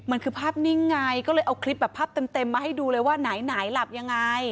มันคือภาพนิ่งไงก็เลยเอาคลิปแบบภาพเต็มมาให้ดูเลยว่าไหนหลับยังไง